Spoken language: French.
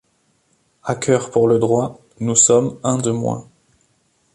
Hackers pour le droit, nous sommes un de moins.